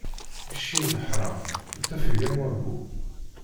Cci n leḥṛam, ittafeg am wabbu.